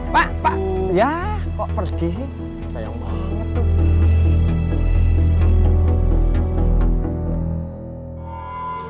pak pak yaa kok pergi sih sayang banget tuh